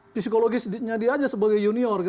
psikologisnya dia sebagai junior